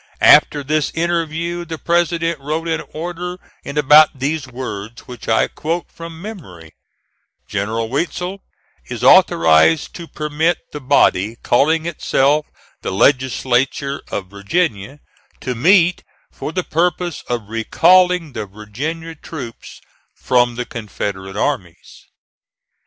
After this interview the President wrote an order in about these words, which I quote from memory: "General Weitzel is authorized to permit the body calling itself the Legislature of Virginia to meet for the purpose of recalling the Virginia troops from the Confederate armies."